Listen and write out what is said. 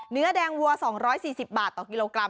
เนื้อแดงวัว๒๔๐บาทต่อกิโลกรัม